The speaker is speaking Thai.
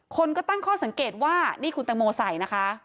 คนก็ตั้งข้อสังเกตว่านี่คุณตังโมใส่นะคะ